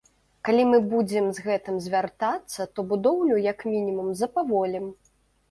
Калі мы будзем з гэтым звяртацца, то будоўлю, як мінімум, запаволім.